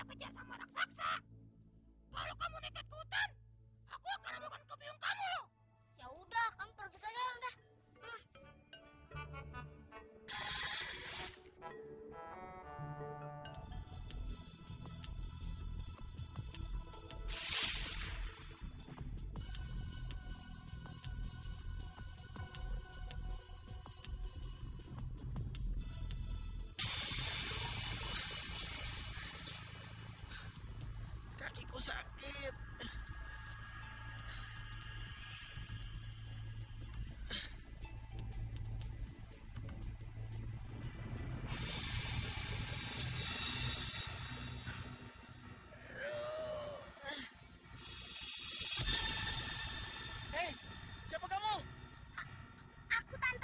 eh siapa kamu aku tantra da dara desa seberang